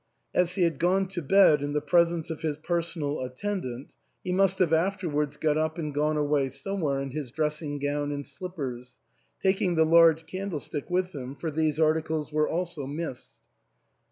As he had gone to bed in the presence of his personal attendant, he must have afterwards got up and gone away somewhere in his dressing gown and slip pers, taking the large candlestick with him, for these articles were also missed.